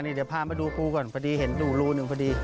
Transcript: เดี๋ยวพามาดูกูก่อนพอดีเห็นอยู่รูหนึ่งพอดี